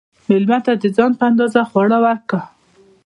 مېلمه ته د ځان په اندازه خواړه ورکړه.